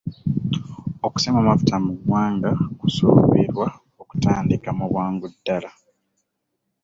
Okusima amafuta mu ggwanga kusuubirwa okutandika mu bwangu ddala.